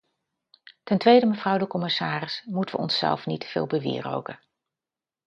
Ten tweede, mevrouw de commissaris, moeten we onszelf niet te veel bewieroken.